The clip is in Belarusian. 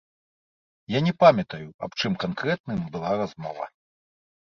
Я не памятаю, аб чым канкрэтным была размова.